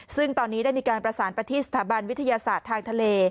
ซึ่งตอนนี้ได้มีการประสานไปที่สถาบันวิทยาศาสตร์ทางทะเล